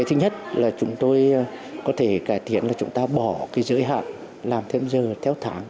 thứ nhất là chúng tôi có thể cải thiện là chúng ta bỏ cái giới hạn làm thêm giờ theo tháng